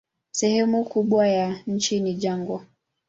Sehemu kubwa ya nchi ni jangwa.